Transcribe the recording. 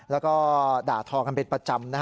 แล้วก็ด่าทองันเป็นประจำ